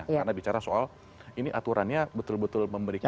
karena bicara soal ini aturannya betul betul memberikan